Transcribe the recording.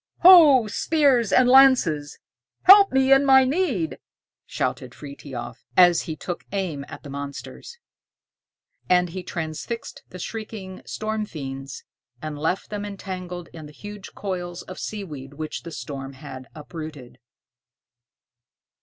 "Ho, spears and lances, help me in my need!" shouted Frithiof, as he took aim at the monsters. And he transfixed the shrieking storm fiends, and left them entangled in the huge coils of seaweed which the storm had uprooted.